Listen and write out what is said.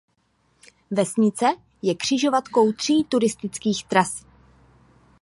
Vesnice je křižovatkou tří turistických tras.